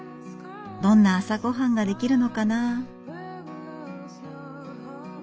どんな朝ごはんが出来るのかな？